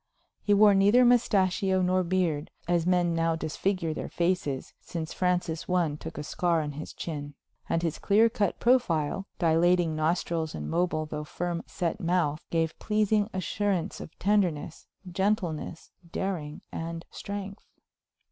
He wore neither mustachio nor beard, as men now disfigure their faces since Francis I took a scar on his chin and his clear cut profile, dilating nostrils and mobile, though firm set mouth, gave pleasing assurance of tenderness, gentleness, daring and strength.